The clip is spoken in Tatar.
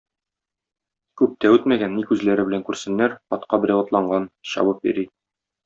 Күп тә үтмәгән, ни күзләре белән күрсеннәр, атка берәү атланган, чабып йөри.